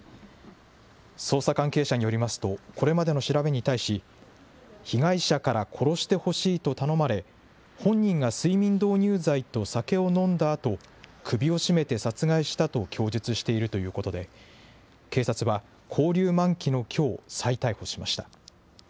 捜査関係者によりますと、これまでの調べに対し、被害者から殺してほしいと頼まれ、本人が睡眠導入剤と酒を飲んだあと、首を絞めて殺害したと供述しているということで、警察は勾留満期のきょう、再逮捕しました。